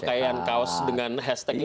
jangan berpakaian kaos dengan hashtag itu ya